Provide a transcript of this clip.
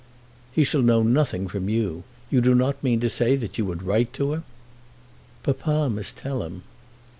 "He shall know nothing from you. You do not mean to say that you would write to him?" "Papa must tell him."